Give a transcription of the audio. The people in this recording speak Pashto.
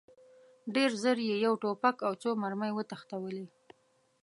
ډېر ژر یې یو توپک او څو مرمۍ وتښتولې.